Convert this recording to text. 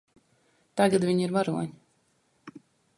Tagad viņi ir varoņi.